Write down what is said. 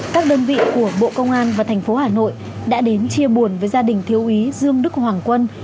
các đơn vị của bộ công an và thành phố hà nội đã đến chia buồn với gia đình thiếu úy dương đức hoàng quân